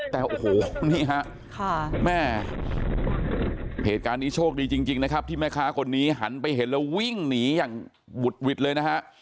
แต่โอ้โหนี่ฮะแม่เหตุการณ์นี้โชคดีจริงนะครับที่แม่ค้าคนนี้หันไปเห็นแล้ววิ่งหนีอย่างบุดหวิดเลยนะฮะ